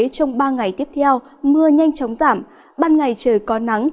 trong ba ngày tiếp theo mưa nhanh chóng giảm ban ngày trời có nắng